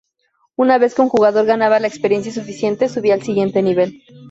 Una vez que un jugador ganaba la experiencia suficiente, subía al siguiente nivel.